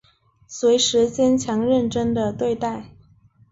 随时坚强认真的等待